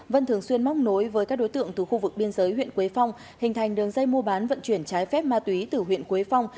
vân thường xuyên móc nối với các đối tượng từ khu vực biên giới huyện quế phong hình thành đường dây mua bán vận chuyển trái phép ma túy từ huyện quế phong